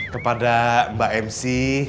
kepada mbak mc